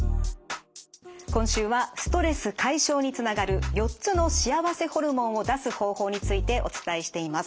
今週はストレス解消につながる４つの幸せホルモンを出す方法についてお伝えしています。